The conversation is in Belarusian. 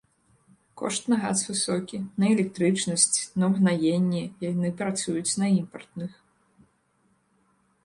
Кошт на газ высокі, на электрычнасць, на ўгнаенні, яны працуюць на імпартных.